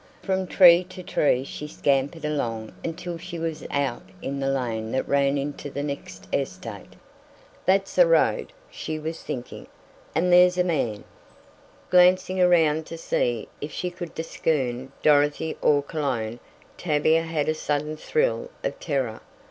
From tree to tree she scampered along until she was out in the lane that ran into the next estate. "That's a road," she was thinking. "And there's a man." Glancing around to see if she could discern Dorothy or Cologne, Tavia had a sudden thrill of terror.